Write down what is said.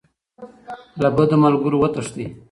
له بدو ملګرو وتښتئ.